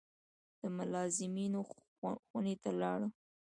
د ملازمینو خونې ته لاړو.